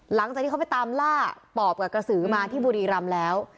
หลังจากที่เขาไปตามล่าปอบกับกระสือมาที่บุรีรำแล้ว